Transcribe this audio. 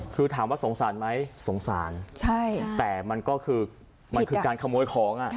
คือถามว่าสงสารไหมสงสารใช่แต่มันก็คือมันคือการขโมยของอ่ะ